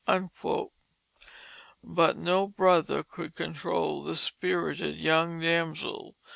But no brother could control this spirited young damsel.